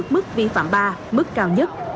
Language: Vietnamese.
mức vi phạm ba mức cao nhất